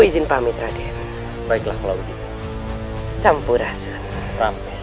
izin pamit raden baiklah kalau gitu sampurasuna rambis